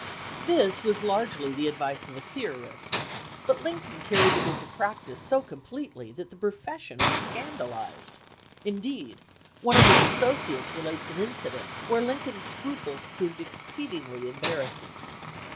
This was largely the advice of a theorist; but Lincoln carried it into practice so completely that the profession was scandalized. Indeed, one of his associates relates an incident where Lincoln's scruples proved exceedingly embarrassing.